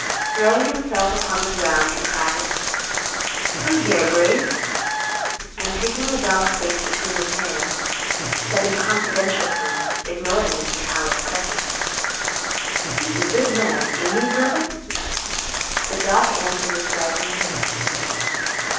Throwing himself upon the ground, he cried, "Come here, Brave"; and taking the dog's face between his hands, said in confidential tones, ignoring Mr. Howitt's presence, "He's a good man, ain't he, brother?" The dog answered with wagging tail.